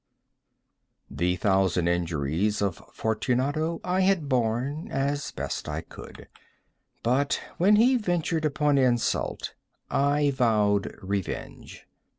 The thousand injuries of Fortunato I had borne as I best could; but when he ventured upon insult, I vowed revenge.